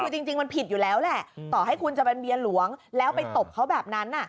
คือจริงมันผิดอยู่แล้วแหละต่อให้คุณจะเป็นเมียหลวงแล้วไปตบเขาแบบนั้น